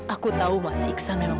aku tahu mas iksan memang